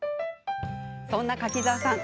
そんな柿澤さん